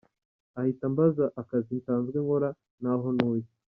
Ahita ambaza akazi nsanzwe nkora n’aho ntuye.